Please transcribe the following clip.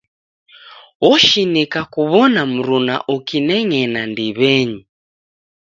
Oshinika kuw'ona mruna ukineng'ena ndiw'enyi.